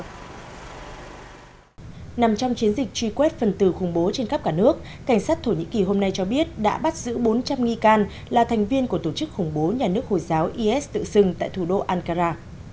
nằm trong chiến dịch truy quét phần tử khủng bố trên khắp cả nước cảnh sát thổ nhĩ kỳ hôm nay cho biết đã bắt giữ bốn trăm linh nghi can là thành viên của tổ chức khủng bố nhà nước hồi giáo is tự xưng tại thủ đô ankara